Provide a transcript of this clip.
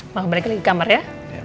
mau balik lagi ke kamar ya